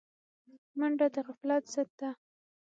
منډه د غفلت ضد ده